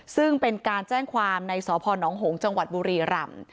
ซึ่งเป็นการแจ้งความในสพนหงษ์จังหวัดบุรีรำ